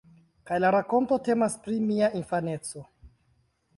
Kaj la rakonto temas pri mia infaneco.